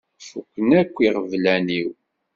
Fukken akk iɣeblan-iw.